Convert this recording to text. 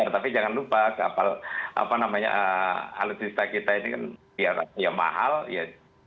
tapi jangan lupa kapal alutsista kita ini kan ya mahal ya